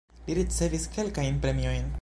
Li ricevis kelkajn premiojn.